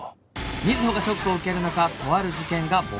瑞穂がショックを受ける中とある事件が勃発して